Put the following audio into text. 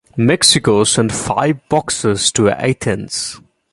Mexico sent five boxers to Athens.